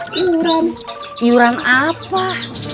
disini ada tujuh puluh milion orang yang bon heck